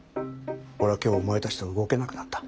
俺は今日お前たちと動けなくなった。